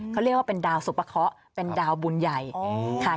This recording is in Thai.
เขาเรียกว่าเป็นดาวสุปะเคาะเป็นดาวบุญใหญ่ค่ะ